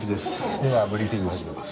ではブリーフィングを始めます。